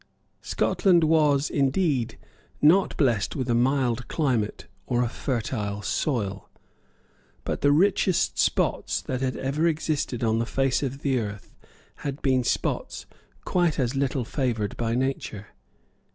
Scotland was, indeed, not blessed with a mild climate or a fertile soil. But the richest spots that had ever existed on the face of the earth had been spots quite as little favoured by nature.